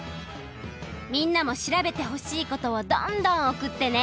みんなも調べてほしいことをどんどんおくってね！